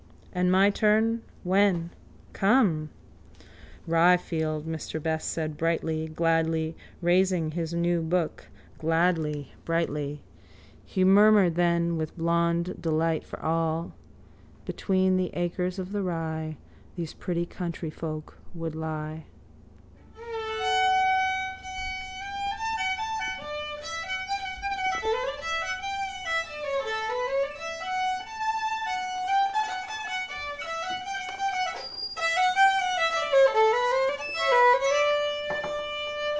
And my turn? When? Come! —Ryefield, Mr Best said brightly, gladly, raising his new book, gladly, brightly. He murmured then with blond delight for all: Between the acres of the rye These pretty countryfolk would lie.